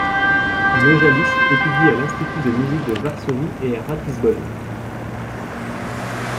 Naujalis étudie à l'Institut de musique de Varsovie et à Ratisbonne.